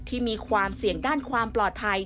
ที่มีความเสี่ยงด้านความปลอดภัย